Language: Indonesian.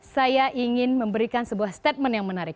saya ingin memberikan sebuah statement yang menarik